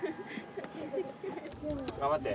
頑張って。